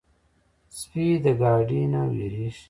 سپي د ګاډي نه وېرېږي.